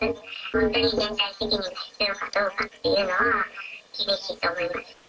本当に連帯責任が必要かどうかっていうのは、厳しいと思います。